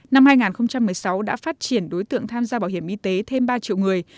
năm hai nghìn một mươi sáu đã phát triển đối tượng tham gia bảo hiểm y tế thêm ba triệu người